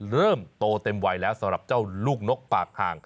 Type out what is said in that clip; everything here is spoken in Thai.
เริ่มโตเต็มวัยแล้วสำหรับเจ้าลูกนกปากห่าง